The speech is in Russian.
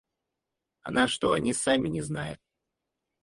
А на что — они сами не знают.